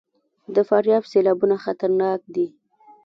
د فاریاب سیلابونه خطرناک دي